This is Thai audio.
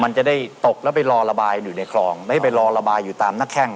มันจะได้ตกแล้วไปรอระบายอยู่ในคลองไม่ได้ไปรอระบายอยู่ตามหน้าแข้ง